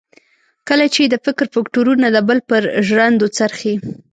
کله چې یې د فکر فکټورنه د بل پر ژرندو څرخي.